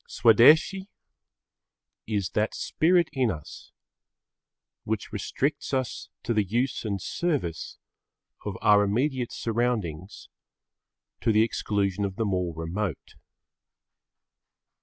Swadeshi is that spirit in us which restricts us to the use and service of our immediate surroundings to the exclusion of the more remote.